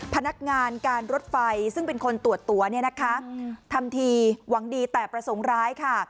พนักงานการรถไฟซึ่งเป็นคนตรวจตัวเนี่ยนะคะทำทีหวังดีแต่ประสงค์ร้ายค่ะ